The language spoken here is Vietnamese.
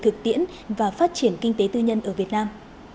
thực tiễn và phát triển kinh tế tư nhân ở việt nam